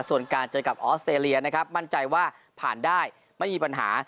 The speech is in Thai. ส่วนการเจอกับออสเตรเลียนะครับมั่นใจว่าผ่านได้ไม่มีปัญหา